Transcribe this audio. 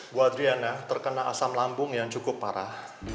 bu adriana terkena asam lambung yang cukup parah